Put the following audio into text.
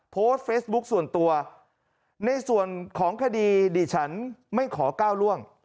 โพสต์เฟซบุ๊คส่วนตัวในส่วนของคดีดิฉันไม่ขอก้าวล่วง